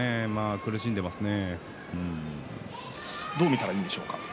苦しんでいますね。